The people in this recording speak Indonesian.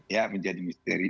ya menjadi misteri